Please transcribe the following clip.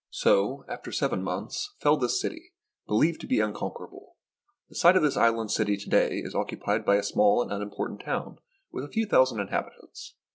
So, after seven months, fell this city, believed to be unconquerable. The site of the island city to day is occupied by a small and unimportant town, with a few thousand inhabitants.